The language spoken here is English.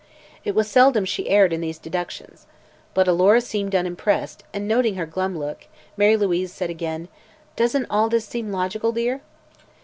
It was seldom she erred in these deductions. But Alora seemed unimpressed and noting her glum look Mary Louise said again: "Doesn't all this seem logical, dear?"